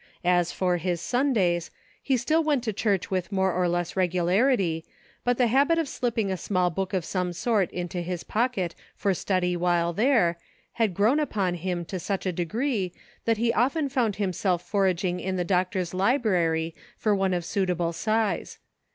As for his Sundays, he still went to church with more or less regularity ; but the habit of slipping a small book of some sort into his pocket for study while there, had grown upon him to such a degree that he often found himself foraging in the doctor s library for one of suitable size.